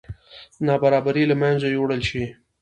نابرابرۍ له منځه یوړل شي.